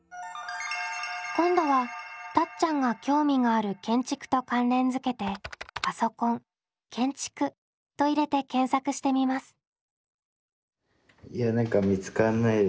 今度はたっちゃんが興味がある建築と関連付けて「パソコン建築」と入れて検索してみます。